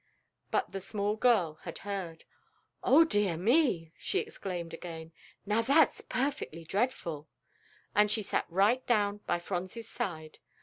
But the small girl had heard. "O dear me!" she exclaimed again; "now that's perfectly dreadful," and she sat right down by Phronsie's side.